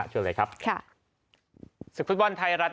ช่วยเลยครับค่ะค่ะสุดควดบอลไทยรัฐ